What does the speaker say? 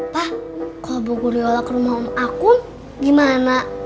pak kalau bu guriola ke rumah om akum gimana